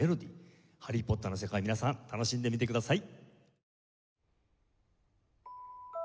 『ハリー・ポッター』の世界皆さん楽しんでみてください。